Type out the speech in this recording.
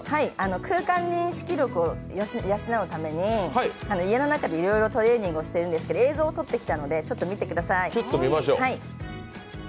空間認識力を養うために家の中でいろいろトレーニングしているんですけど、映像を撮ってきたので見てください。